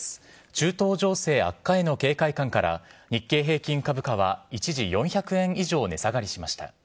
中東情勢悪化への警戒感から、日経平均株価は一時４００円以上値下がりしました。